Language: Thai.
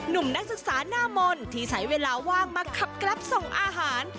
หนุ่มนักศึกษาหน้ามนต์ที่ใช้เวลาว่างมาขับกรับส่งอาหาร